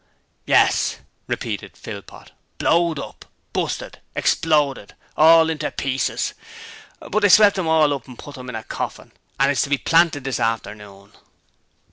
'Yes,' repeated Philpot. 'Blowed up! Busted! Exploded! All into pieces. But they swep' 'em all up and put it in a corfin and it's to be planted this afternoon.'